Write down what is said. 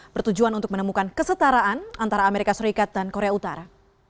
bertujuan untuk menemukan kesetaraan antara amerika serikat dan korea utara